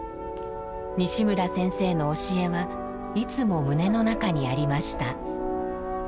西村先生の教えはいつも胸の中にありました。